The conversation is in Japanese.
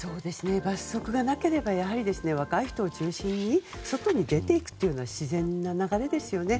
罰則がなければやはり若い人を中心に外に出ていくというのは自然な流れですよね。